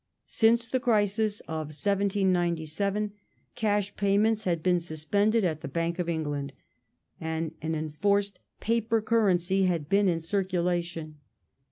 Since the crisis of 1797 cash payments had been suspended at the Bank of England and an enforced paper currency had been in circulation.